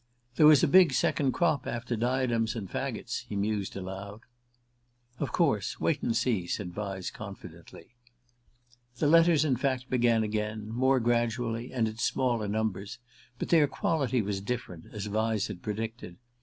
"There was a big second crop after 'Diadems and Faggots,'" he mused aloud. "Of course. Wait and see," said Vyse confidently. The letters in fact began again more gradually and in smaller numbers. But their quality was different, as Vyse had predicted.